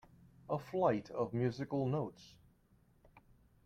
A flight of musical notes.